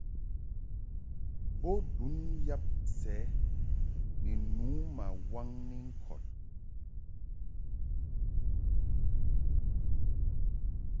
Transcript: Bo ndun yab sɛ ni nu ma waŋni ŋkɔd.